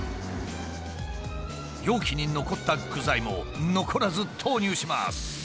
容器に残った具材も残らず投入します。